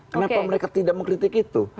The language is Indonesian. kenapa mereka tidak mengkritik itu